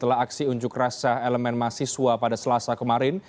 setelah aksi unjuk rasa elemen mahasiswa pada selasa kemarin